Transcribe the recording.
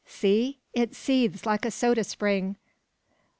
See! it seethes like a soda spring!